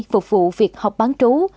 phục vụ việc học bán trú